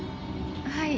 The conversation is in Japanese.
はい。